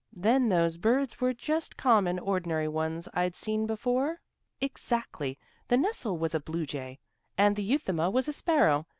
"Then those birds were just common, ordinary ones that I'd seen before?" "Exactly. The nestle was a blue jay, and the euthuma was a sparrow.